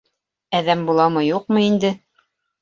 Әҙәм буламы, юҡмы инде.